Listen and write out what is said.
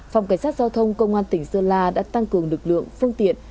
phòng cảnh sát giao thông công an tỉnh sơn la đã tăng cường lực lượng phương tiện